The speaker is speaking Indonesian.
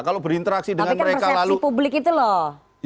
tapi kan persepsi publik itu loh